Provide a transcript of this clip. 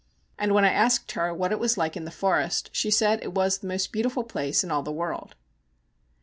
And when I asked her what it was like in the forest, she said it was the most beautiful place in all the world.